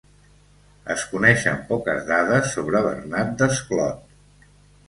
Es coneixen poques dades sobre Bernat Desclot.